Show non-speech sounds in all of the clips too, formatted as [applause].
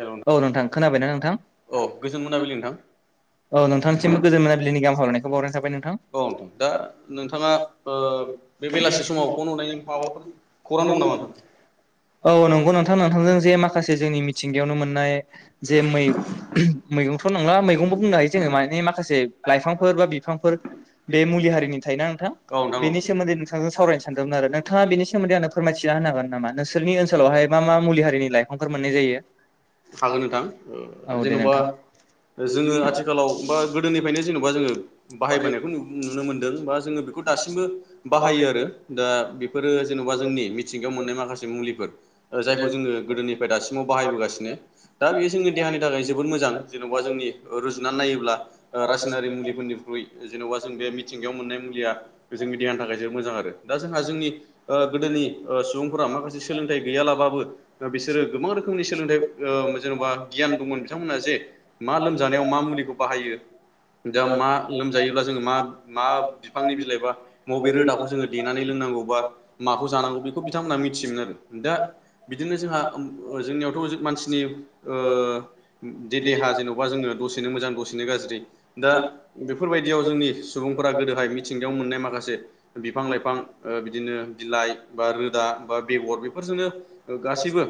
औ नोंथां खोनाबायना नोंथां औ गोजोन मोनाबिलि नोंथां औ नोंथांसिमबो गोजोन मोनाबिलिनि गाहाम हामलायनायखौ बावहरनाय थाबाय नोंथां औ नोंथां दा नोंथाङा बे बेलासि समाव फन हरनायनि माबाफोर खौरां दं नामा नोंथां औ नंगौ नोंथां नोंथांजों जे माखासे जोंनि मिथिंगायावनो मोननाय जे मैगंथ' नंला मैगंबो बुंनो हायो जोङो माने माखासे लाइफांफोर बा बिफां बे मुलि हारिनि थायोना नोंथां औ नोंथां बेनि सोमोन्दै औ नोंथांजों सावरायनो सानदोंमोन आरो नोंथाङा बेनि सोमोन्द नो फोरमायथिना होनो हागोन नामा नोंसोरनि ओनसोलावहाय मा मा मुलि हारिनि लाइफां मोननाय जायो हागोन औ नोंथां दे जेन'बा नोंथां जोङो आथिखालाव बा गोदोनिफ्रायनो जेनेबा जोङो बाहायबोनायखौ नुनो मोनदों बा जोङो बेखौ दासिमबो बाहायो आरो दा बेफोरो जेन'बा जोंनि मिथिंगायाव मोननाय माखासे मुलिफोर जायखौ जोङो गोदोनिफ्राय दासिमाव बाहायबोगासिनो दा बेयो जोंनि देहानि थाखाय जोबोद मोजां जेन'बा जोंनि रुजुनानै नायोब्ला रासायनारि मुलिफोरनि निख्रुइ जेनेबा जों बे मिथिंगायाव मोननाय मुलिया जोंनि देहानि थाखाय जोबोद मोजां आरो दा जोंहा जोंनि गोदोनि सुबुंफोरा माखासे सोलोंथाइ गैयालाबाबो बिसोरो गोबां रोखोमनि सोलोंथाइ जेन'बा गियान दंमोन बिथांमोनहा जे मा लोमजानायाव मा मुलिखौ बाहायो दा मा लोमजायोब्ला जोङो मा मा बिफांनि बिलाइ बा बबे रोदाखौ जोङो देनानै लोंनांगौ बा माखौ जानांगौ बेखौ बिथांमोना मिथियोमोन आरो दा बिदिनो जोंहा जोंनियावथ' मानसिनि [unintelligible] जेन'बा जोङो दसेनो मोजां दसेनो गाज्रि दा बेफोरबायदियाव जोंनि सुबुंफोरा गोदोहाय मिथिंगायाव मोननाय माखासे बिफां लाइफां बिदिनो बिलाइ बा रोदा बा बेगर बेफोरजोंनो गासैबो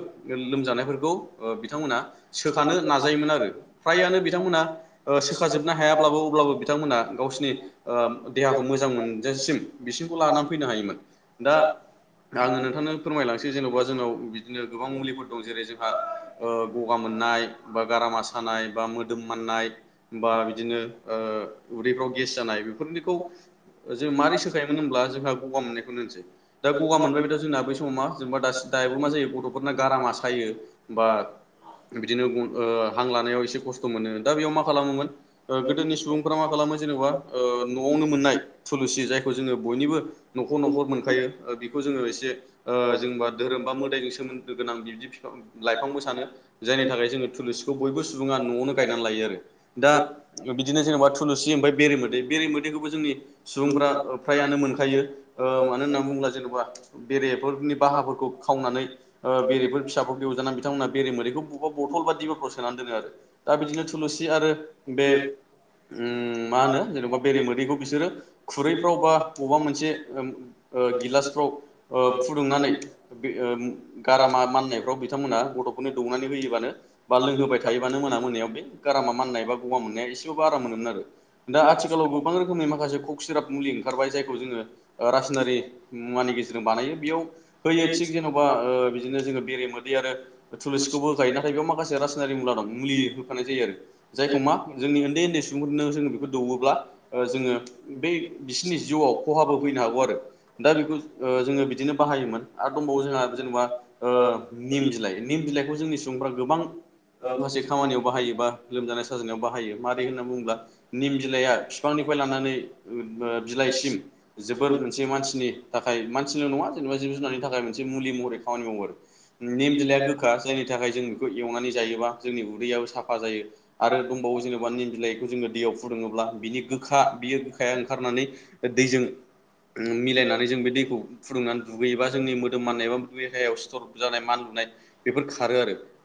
लोमजानायफोरखौ बिथांमोना सोखानो नाजायोमोन आरो फ्रायानो बिथांमोना सोखाजोबनो हायाब्लाबो अब्लाबो बिथांमोना गावसिनि देहाखौ मोजां मोनजासिम बिसिंखौ लानानै फैनो हायोमोन दा आङो नोंथांनो फोरमायलांसै जेन'बा जोंनाव बिदिनो गोबां मुलिफोर दं जेरै जोंहा गगा मोननाय बा गारामा सानाय बा मोदोम माननाय बा बिदिनो उदैफ्राव गेस जानाय बेफोरनिखौ जों मारै सोखायोमोन होमब्ला जोंहा गगा मोननायखौनो होनसै दा गगा मोनबायबाथाय जोंना बै समाव मा जोंबा दासिम दायोबो मा जायो गथ'फोरना गारामा सायो बा औ बिदिनो हां लानायाव एसे खस्थ' मोनो दा बेयाव मा खालामोमोन गोदोनि सुबुंफ्रा मा खालामो जे जेनबा न'आवनो मोननाय थुलुसि जायखौ जोङो बयनिबो न'खर न'खर मोनखायो बेखौ जों जोङो एसे जेनबा धोरोम बा मोदायजों सोमोन्दो गोनां बिबदि बिफां लाइफांबो सानो [unintelligible] जायनि थाखाय जोङो थुलुसिखौ बयबो सुबुङा न'आवनो गायनानै लायो आरो दा बिदिनो जेनेबा थुलुसि होनबा बे बेरे मोदै बेरे मोदैखौबो जोंनि सुबुंफ्रा फ्रायानो मोनखायो मानो होननानै बुङोब्ला जेन'बा बेरेफोरनि बाहाफोरखौ खावनानै बेरेफोर फिसाफोरखौ एवजाना बेरे मोदैखौ बबेबा बथल बा दिबफ्राव सोनानै दोनो आरो दा बिदिनो थुलुसि आरो बे मा होनो जेनेबा बेरे मोदैखौ बिसोरो खुरैफ्राव बा बबेबा मोनसे गिलासफ्राव फुदुंनानै गारामा माननायफ्राव बिथांमोना नो दौनानै होयोबानो बा लोंहोबाय थायोबानो मोना मोन बे गारामा माननाय बा गगा मोननाया एसेबाबो आराम मोनो आरो दा आथिखालाव गोबां रोखोमनि माखासे कक सिराप मुलि ओंखारबाय जायखौ जोङो रासायनारि मुवानि गेजेरजों बानायो बेयाव होयो थिग जेन'बा बिदिनो जोङो बेरे मोदै आरो थुलनसिखौबो होखायो नाथाय बेयाव माखासे रासायनारि मुला दं मुलि होखानाय जायो आरो जायखौ मा जोंनि उन्दै उन्दै सम सुबुंफोरनो जोङो बेखौ दौवोब्ला जोङो बै बिसोरनि जिउआव खहाबो फैनो हागौ आरो दा बेखौ जोङो बिदिनो बाहायोमोन आरो दंबावो जोंहा जेनेबा निम बिलाइ निम बिलाइखौ जोंनि सुबुंफ्रा गोबां माखासे खामानियाव बाहायो बा लोमजानाय साजानायाव बाहायो मारोरै होननानै निम बिलाइया बिफांनिफ्राय लानानै बिलाइसिम जोबोर मोनसे मानसि मानसिनि थाखायल' नङा जेनबा जिब जुनारनि थाखाय मोनसे मुलि महरै खामानि मावो आरो निम बिलाइया जायनि थाखाय जों बेखौ एवनानै जायोबा जोंनि उदैयबो साफा जायो आरो दंबावो जेनेबा निम बिलाइ ग जोङो दैयाव फुदुङोब्ला बिनि गोखा बियो गोखाया ओंखारनानै दैजों मिलायनानै जों बे दैखौ फुुंनानै दुगैयोबा जोंनि मोदोम माननायाव एबा देहायाव सिथर जानाय मानलुनाय मान बेफोर खारो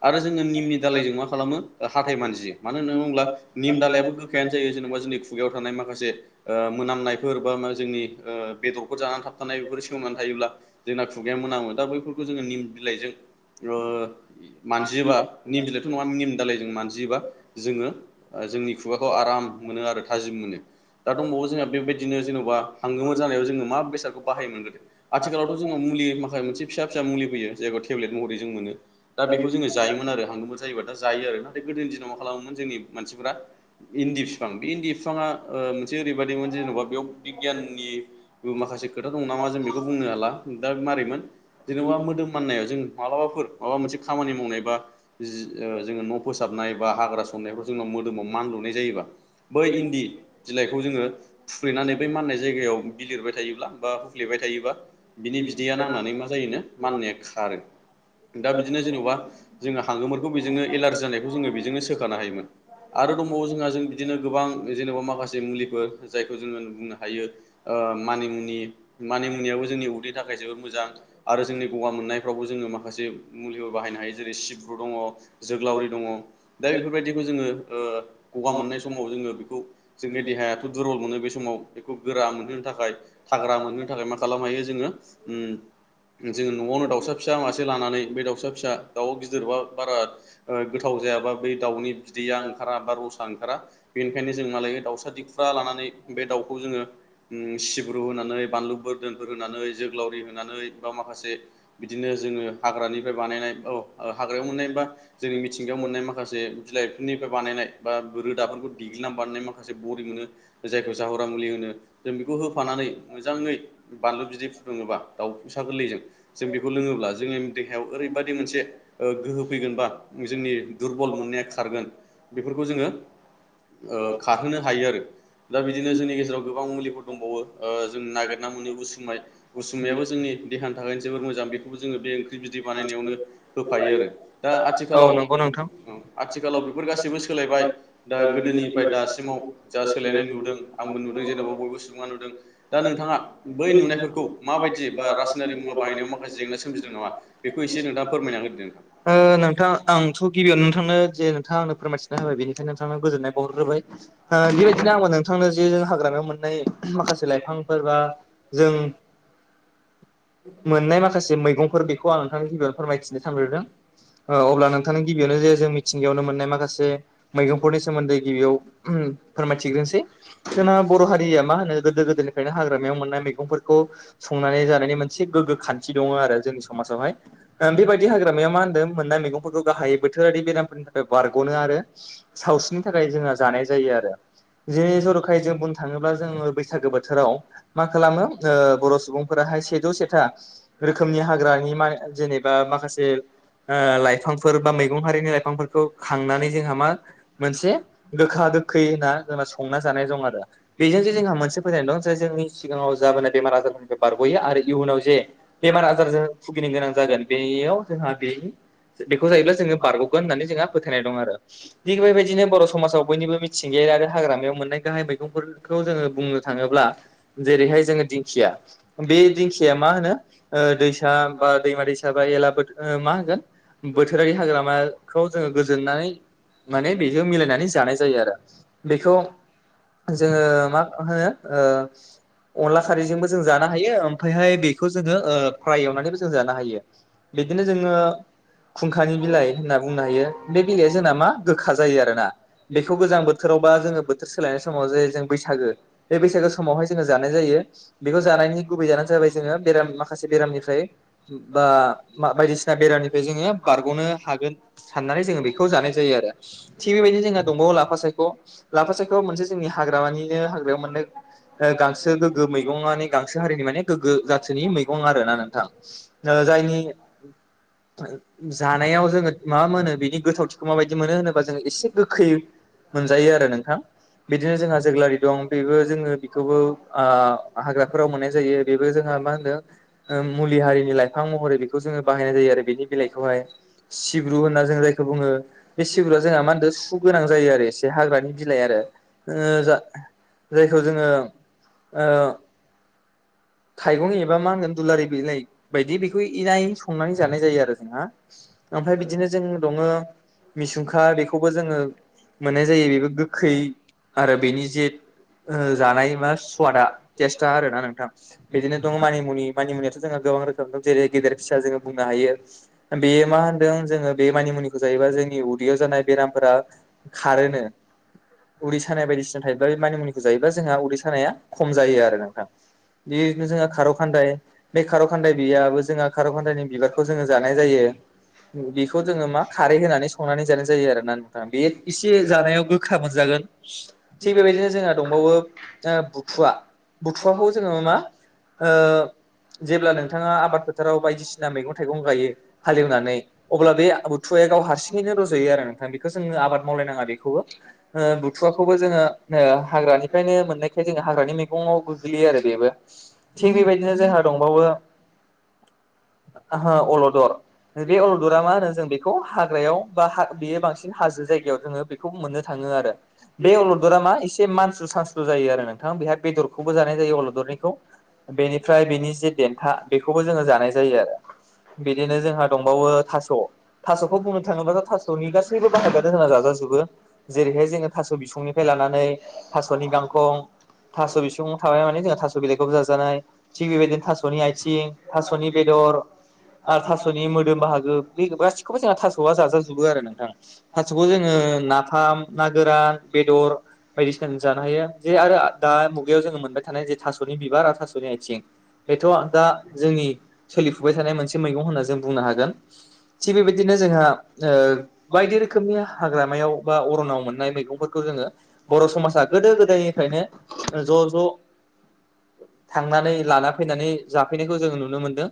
आरो जोङो निमनि दालाइजों मा खालामो हाथाय मानजियो मानो होनना बुङोब्ला निम दालाइ जबा जोंनि खुगायाव थानाय माखासे ओ मोनामनायफोर बा जोंनि ओ बिबु जानानानै थाबथ बेफोर सोमोननानै थायोब्ला जोंना खुगाया मोनामो दा बैफोरखौ जोङो निम बिलाइजों मानजियोबा निम बिलाइथ' नङा निम दलाइजों मानजियोबा जोङो जोंनि खुगाखौ आराम मोनो आरो थाजिम मोनो दा दंबावो जोंहा बेबायदिनो जेन'बा हांगोमोर जानायाव जोङो मा बेसादखौ बाय मोनग्रदो आथिखालावथ' जों म माखा मोनसे फिसा फिसा मुलि फयो जाय मोनो दा बेखौ जों जायोमोन आरो हांगोमोर जायोब्ला जायो आरो ना गोदनि दिनाव मा खालामोम ज इन्दि बिफां बे इन्दि बिफाङा मोनसे ओरैबायददिमोन जेन'बा बेयाव बिगियाननि माखासे खोथा दं नामा जों बेखौ बुंनो हाला दा माबारैमोन जेनेबा मोदोम माननायाव जों मालाबाफोर माबा मोनसे खामानि मावनाय बा जोङो न' फोसाबनाय बा हाग्रा संनायफ्राव जोङो मोदोमाव मान लुनाय जायोबा बै इन्दि बिलाइखौ जोङो फुफ्लेनानै बै माननाय जायगायाव बिलिरबाय थायोब्ला बा हुख्लेबाय थायोब्ला बिनि बिदैया नांनानै मा जायोनो माननाया खारो दा बिदिनो जेन'बा जोङो हांगोमखौ बेजोंनो एलार्जि जानायखौ जोङो बेजोंनो सोखानो हायोमोन आरो दंबावो जोंहा जों बिदिनो गोबां जेनेबा माखासे मुलिफोर जायखौ जोङो बुंनो हायो मानिमुनि मानिमुनियाबो जोंनि उदैनि थाखाय जोबोोर मोजां आरो जोंनि गगा मोननायफ्रावबो ज माखासे मुलिफोर बाहायनो हायो जेरै सिब्रु दङ जोग्लावरि दङ दा बेफोरबायदिखौ जोङो गगा मोननाय समाव जोङो बेखौ जोंनि देहायाथ' दुरबल मोनो बे समाव बेखौ गोरा मोनहोनो थाखाय हाग्रा मोननो थाखाय मा खालामनो हायो जोङो जो न'आवनो दाउसा फिसा मासे से लानानै बे दाउसा फिसा दाउआव गिदिरबा बारा गोथाव जायाबा बै दाउनि बिदैयाओं ओंखारा बा रसा ओंखारा बेनिखायनो जों माालायो दाउसा दिफ्रा लानानै बे दाउखौ जोङो सिब्रु होनानै बानलु बोरदोनफोर होनानै जोग्लावरि होनानै बा माखासे बिदिनो जोङो हाग्रानिफ्राय बानायनाय औ हाग्रायाव मोननायबा जोंनि मिथिंगायाव मोननाय माखासे बिलाइफोरनिफ्राय बानायनाय नानै बा खोथाफोरखौ देग्लिनानै माखासे बरि मोनो बर जायखौ जावरा मुलि होनो फानानै मोजाङै बानलु बिदै फुदुङोबा दाउ फिसा गोरलैजों जों बेखौ लोङोब्ला जोङो देायाव ओरैबायदि मोनसे गोहो फैगोन बा जोंनि दुरबल मोननाया खारगोन बे बे जोङो खारहोनो हायो आरो दा बिदिनो जोंनि गेजेराव गोबां मुलिफोर दंबावो जों नागिरना मोनो उसुमाय उसुमायाबो जोंनि देहानि थाखाय जोबोर मोजां ज बे ओंख्रि बिदै बानायनायावनो होफायो आरो दा औ आथिखालाव नंगौ नोंथां आथिखालाव बेफोर गासैबो सोलायबाय दा गोदोनिफ्राय दासिमाव जा सोलायनाय नुदों न जेनेबा बयबो सुबुङा नुदों दा नोंथाङा बै नुनायफोरखौ माब बायदि बा रासायनारि मु बाहायनायावाखासे जेंना सोमजिदों नामा एसे नोंथाङा फोरमायना होदो नोंथां नोंथां आंथ' गिबियाव नोंथांनो जे नोंथाङा आंनो फोरमायथिनो होबाय बेनि बेखायनो नोंथांनो गोजोननाय बहरग्रोबाय बेबायदिनो आं नोंथांनो जे जों हाग्रामायाव मोननाय माखासे लाइफां बिफांफोरबा जों मोननाय माखासे मैगंफोर बेखौ आं नोंथांनि गिबियावनो फोरमायथिनो सानद्रोदों अब्ला नोंथांनि गिबियावनो जे जों मिथिंगायावनो मोननाय माखासे मैगंफोरनि सोमोन्दै गिबियाव फोरमायथिग्रोनोसै जोंना बर' हारिया मा होनो गोदो गोदायनिफ्रायनो हाग्रामायाव मोननाय मैगंफोरखौ संनानै जानायनि मोनसे एसे गोग्गो खान्थि दङ आरो जोंनि समाजावहाय बेबायाददि हाग्रामाया मा होनदों मोननाय मैगंफोरखौ गाहायै बोथोरारि बेरामफोरनि थाखाय बारग'नो आरो सावस्रिनि थाखाय जोहा जानाय जायो आरो जेरै जर'खायै जों बुंनो थाङोब्ला जोङो बैसागो बोथोराव मा खालामो बर' सुबुंफोराहाय सेथा रोखोमनि हाग्रानि म जेनेबा माखासे लाइफांफोर बा मैगं हारिनि लाइफांफोरखौ खांनानै जोंहा मा मोनसे गोखा गोखै होनना जोंना संना जानाय दं आरो बेजों जे जोंहा मोनसे फोथायनाय दं जे जोंनि सिगाङाव जाबोनाय दैम ज बे बारबोैयो आरो इयुनाव जे बेमार आजारजों भुगिनो गोनां जागोन बेयाव जोंहा बे बेखौ जायोब्ला जोङो बारग'गोन होननानै जोंहा फोथायनाय दं आरो थिग बेबायदिनो बर' समाजाव बयनिबो मिथिंगाया बेेर आरो हाग्रामायाव मोननाय गाहाय मैगंफोरखौ जोङो बुंनो थाङोब्ला जेरैहाय जोङो दिंखिया बे दिंखिया मा होनो दैसा बा दैमा दैसा बा एला बा मा होनगोन बोथोरारि हाग्रा लामाखौ जोङो गोजोननानै माने बेखौ मिलायनानै जानाय जायो आरो बेखौ जोङो मा होनो अनला खारैजोंबो जों जानो हायो ओमफ्रायहाय बेखौ जोङो फ्राय एवनानैबो जों जानो हायो बिदिनो जोङो खुंखानि बिलाइ होनना बुंनो हायो बे बिलाइया जोंना मा गोखा जायो आरो ना बेखौ गोजां बोथोराव बा जोङो बोथोर सोलायनाय समाव जे जों बैसागो बे बैसागो समावहाय जोङो जानाय जायो बेखौ जानायनि गुबै जाहोनानो जाबाय जोङो बे माखासे बेरामनिफ्राय बा बायदिसिना बेरामनिफ्राय जोङो बार गनो हागोन साननानै जोंङो बेखौ जानाय जायो आरो थिख बेबायदिनो जोंहा दंबावो लाफा सायख लाफा सायखया मोनसे जोंनि हाग्रामानिनो हाग्रायाव मोनसे गांसो गोगो मैगं गांसो हारिनि माने गोगो जाथोनि मैगं आरोना नोंथां जायनि जानायाव जोङो मा मोनो बिनि गोथावथिखौ माबायदि मोनो होनोबा जोङो एसे गोखै मोनजायो आरो नोंथां बिदिनो जोंहा जोग्लावरि दं बेबो जोङो बेखौबो आ हाग्राफोराव मोननाय जायो बेबो जोंहा मा होनदों मुलि हारिनि लाइफां महरै बेखौ जोङो बाहायनाय जायो आरो बेनि बिलाइखौहाइ सिब्रु होनना जों जायखौ बुङो बे सिब्रुआ जोंहा मा होनो सुगोनां जायो आरो एसे हाग्रानि बिलाइ आरो जा जायखौ जोङो थाइगं एबा मा होनगोन दुलारि बिलाइ बायदि बेखौ इनायै संनानै जानाय जायो आरो जोंहा ओमफ्राय बिदिनो जों दङ मिसुंखा बेखौबो जोङो मोननाय जायो बेबो गोखै आरो बेनि जेठ जानाय मा स्वादा टेस्टा आरोना नोंथां बिदिनो दं मानिमुनि मानिमुनियाथ' जोंहा गोबां रोखोम दं जेरै गेदेर फिसा जोङो बुंनो हायो बेयो मा मा होनदों जोङो बे मानि मुनिखौ जायोबा जोंनि उदैयाव जानाय बेरामफोरा खारोनो उदै सानाय बायदिसिना थायोबा मानिमुनिखौ जायोबा जोंहा उदै सानाया खम जायो आरो नोंथां बिनो जोंहा खार' खान्दाय बे खार' खान्दाय बियाबबो जोंहा खार' खान्दायनि बिबारखौ जोङो जानाय जायो बेखौ जोङो मा खारै होनानै संनानै जानाय जायो आरो ना नोंथाङा बे एसे जानायाव गोखा मोनजागोन थिग बेबायदिनो जोंना दंबावो बुथुवा बुथुवाखौ जोङो मा ओ जेब्ला नोंथाङा आबाद फोथाराव बायदिसिना मैगं थाइगं गायो हालेवनानै अब्ला बे बुथुवा गाव हारसिंयैनो रज'यो आरो नोंथां बेखौ जोंनो आबाद मावलायनाङा बेखौबो बुथुवाखौबो जोंङो हाग्रानिफ्रायनो मोननायखायनो जोङो हाग्रानि मैगंवाव गोग्लैयो आरो बेबो थिग बेबायदिनो जोंहा दंबावो आ अलदर बे अलदरा मा होनो जों बेखौ हाग्रायाव बा बेयो बांसिन हाजो जायगायाव जोङो बेखौ मोननो थाङो आरो बे अलदरा मा एसे मानस्रु सानस्रु जायो आरो नोंथां बेहाय बेदरखौबो जानाय जायो अलदरनिखौ बेनिफ्राय बेनि जे देन्था बेखौबो जोङो जानाय जायो आरो बिदिनो जोंहा दंबावो थास' थास'खौ बुंनो थाङोब्लााथ' थास'नि गासैबो बाहागो आनो जोंना जाजाजोबो जेरैहाय जोङो थास' बिसंनिफ्राय लानानै लानानै थासनि गांख थासबिसं थाबाय माने जोंहा बिलाइ खौ जाजानाय थिग बेबायदिनो थास'नि आथिं थास'नि बेदर आरो थास'नि मोदोम बाहागो बे गासिखौबो जोंना थास'आ जाजोबो आरो नोंथाङा थास'खौ जोङो नाफाम ना गोरान बेदर बायदिसिनाजों जानो हायो जे आरो दा बेयाव जोङो मोनबाय थानाय जे थास'नि बिबार आरो थास'नि आथिं बेथ' दा जोंनि सोलिफुबाय थानाय मोनसे मैगं होनना जों बुंनो हागोन थिग बेबायदिनो जोंहा बायदि रोखोमनि हाग्रामायाव बा अरनाव मोननाय मैगंफोरखौ जोङो बर' समाजा गोदो गोदायनिफ्रायनो ज' ज' थांनानै लाना फैनानै जाफैनायखौ जोङो नुनो मोनदों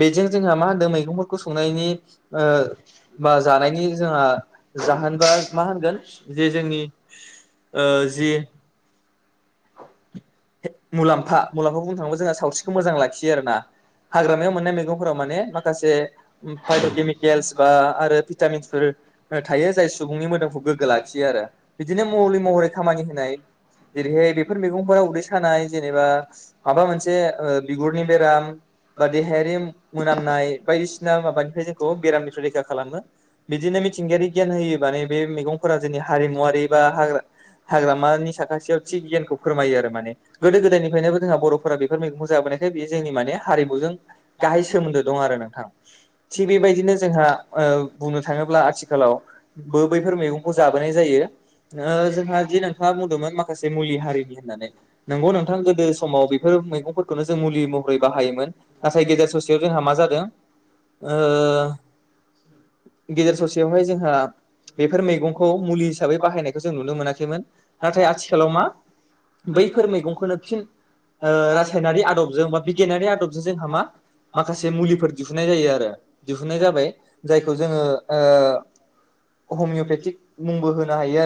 बेजों जोंहा मा होनदों मैगंफोरखौ सं जानायनि जोंहा जाहोनबा मा होनगोन जोंनि जे [unintelligible] मुलाम्फा मुलाम्फखौ बुंनो थाङोबा जोंहा सावस्रिखौ मोजां लाखियो आरोना हाग्रामायाव मोननाय मैगंफोराव माने माखासे फायट' केमिकेल्स बा आरो भिटामिन्सफोर थायो जाय सुबुंनि मोदोमखौ गोग्गो लाखियो आरो बिदिनो मुलि महरै खामानि होनाय जेरैहाय बेफोर मैगंफोराव उदै सानाय जेनेबा माबा मोनसे बिगुरनि बेराम बा देहायारि मोनामनाय बायदिसिना माबानिफ्राय जोंखौ बेरामनिफ्राय रैखा खालामो बिदिनो मिथिंगायारि गियान होयो माने बे मैगंफोरा जोंनि हारिमुवारि बा हाग्रा हाग्रामानि साखाथियाव थिग गियानखौ फोरमायो आरो माने गोदो गोदायनिफ्रायनोबो जोंहा बर'फोरा बेफोर मैगंखौ जाबोनायखाय बेयो जोंनि माने हारिमुजों गाहाय सोमोन्दो दं आरो थिग बेबायदिनो जोंहा बुंनो थाङोब्ला आथिखालाव बैफोर मैगं जाबोनाय जायो जोंहा जे नोंथाङा बुंदोंमोन माखासे मुलि हारिनि होननानै नोंगौ नोंथां गोदो समाव बेफोर मैगंफोरखौनो जों मुलि महरै बाहायोमोन नाथाय गेजेर ससेयाव जोंहा मा जादों गेजेर ससेयावहाय जोंहा बेफोर मैगंखौ मुलि हिसाबै बाहायनायखौ जों नुनो मोनाखैमोन नाथाय आथिखालाव मा बेफोर मैगंखौनो फिन रासायनारि आदबजों बा बिगियानारि आदबजों जोंहा मा माखासे मुलिफोर दिहुननाय जायो आरो दिहुननाय जाबाय जायखौ जोङो हमिअपेथिक मुंबो होनो हायो आरो